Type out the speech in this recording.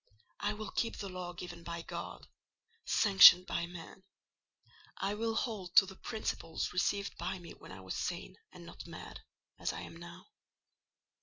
I will keep the law given by God; sanctioned by man. I will hold to the principles received by me when I was sane, and not mad—as I am now.